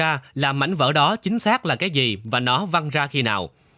câu hỏi này sẽ đặt ra là mảnh vỡ đó chính xác là cái gì và nó văng ra khi nào